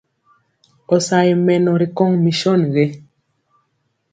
Ɔ sa ye mɛnɔ ri kɔŋ mison gé?